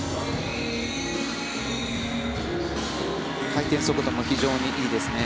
回転速度も非常にいいですね